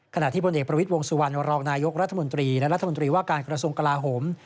ขณะที่พลเอกประวิทย์วงสุวรรณรองนายกรัฐมนตรีและรัฐมนตรีว่าการกระทรวงกลาโหม